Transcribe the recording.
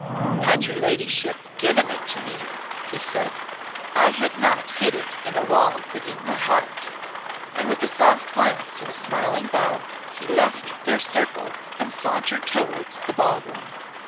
"Had your ladyship given it to me," he said, "I had not hid it in a wall, but in my heart." And with a soft glance and a smiling bow he left their circle and sauntered towards the ball room.